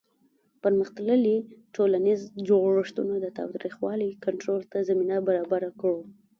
پرمختللي ټولنیز جوړښتونه د تاوتریخوالي کنټرول ته زمینه برابره کړه.